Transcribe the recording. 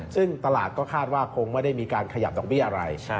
ซึ่งตลาดก็คาดว่าคงไม่ได้มีการขยับดอกเบี้ยอะไร